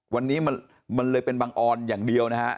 วันนี้มันเลยเป็นบังออนอย่างเดียวนะฮะ